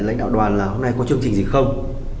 lãnh đạo đoàn là hôm nay có chương trình gì không